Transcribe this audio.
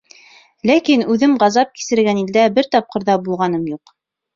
Ләкин үҙем ғазап кисергән илдә бер тапҡыр ҙа булғаным юҡ.